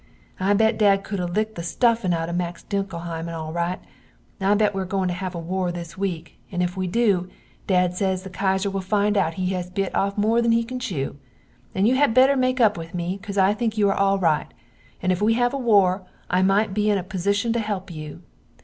I bet dad cood have lickd the stuffin out of Max Dinkelheim al rite, and I bet we are goin to have war this weak and if we do, dad sez the Kaiser will find out he has bit off more than he can chew, and you had better make up with me because I think you are al rite, and if we have war I mite be in a posishun to help you.